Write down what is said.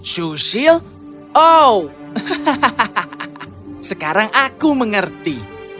susil oh sekarang aku mengerti